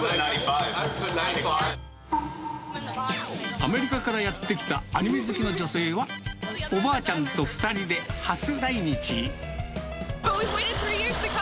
アメリカからやって来たアニメ好きの女性は、おばあちゃんと２人で初来日。